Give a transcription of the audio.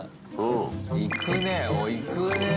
いくねぇ、おっ、いくねぇ。